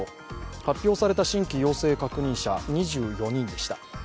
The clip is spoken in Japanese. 発表された新規陽性確認者２４人でした。